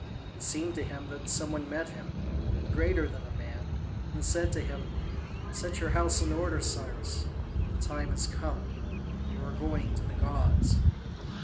It seemed to him that some one met him, greater than a man, and said to him, "Set your house in order, Cyrus: the time has come, and you are going to the gods."